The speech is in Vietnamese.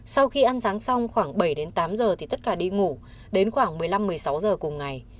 sau khi ăn sáng xong khoảng bảy tám h thì tất cả đi ngủ đến khoảng một mươi năm một mươi sáu h cùng ngày